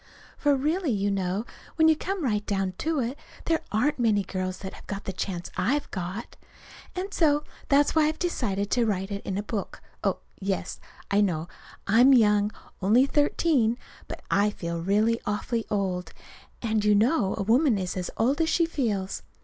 For really, you know, when you come right down to it, there aren't many girls that have got the chance I've got. And so that's why I've decided to write it into a book. Oh, yes, I know I'm young only thirteen. But I feel really awfully old; and you know a woman is as old as she feels.